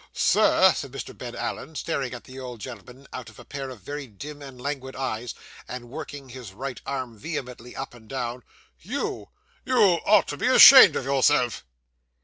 'Sir,' said Mr. Ben Allen, staring at the old gentleman, out of a pair of very dim and languid eyes, and working his right arm vehemently up and down, 'you you ought to be ashamed of yourself.